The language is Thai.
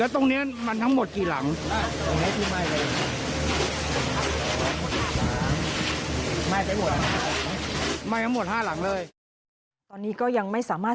ตอนนี้ก็ยังไม่สามารถ